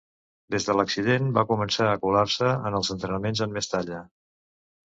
Des de l'accident va començar a colar-se en els entrenaments en Mestalla.